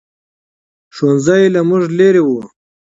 ښوؤنځی له موږ لرې ؤ